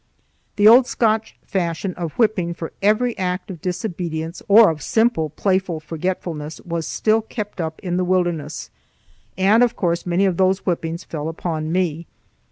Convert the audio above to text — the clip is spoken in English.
The old Scotch fashion of whipping for every act of disobedience or of simple, playful forgetfulness was still kept up in the wilderness, and of course many of those whippings fell upon me.